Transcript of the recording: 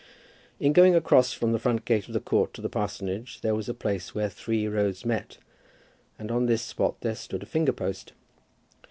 In going across from the front gate of the Court to the parsonage there was a place where three roads met, and on this spot there stood a finger post.